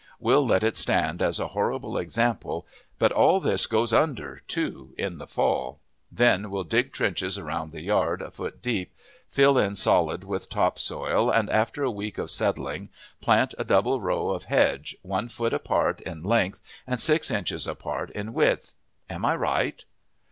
We'll let it stand as a horrible example, but all this goes under, too, in the fall. Then we'll dig trenches around the yard, a foot deep, fill in solid with top soil and after a week of settling plant a double row of hedge, one foot apart in length and six inches apart in width. Am I right?"